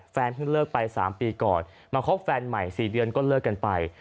เพิ่งเลิกไป๓ปีก่อนมาคบแฟนใหม่๔เดือนก็เลิกกันไป